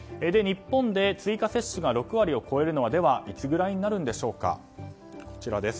日本で、追加接種が６割を超えるのはいつぐらいになるのでしょうか。